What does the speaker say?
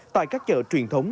tại các chợ truyền thống